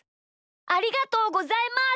ありがとうございます！